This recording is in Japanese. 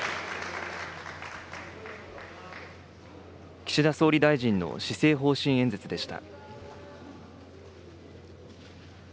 岸田総理大臣の施政方針演説でした。